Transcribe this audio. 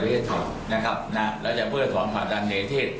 วัยเทศนะครับนะฮะแล้วจะเพื่อสวัสดิ์ของฝากฐานในเทศ